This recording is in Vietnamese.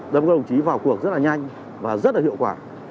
đâm cơ đồng chí vào cuộc rất nhanh và rất hiệu quả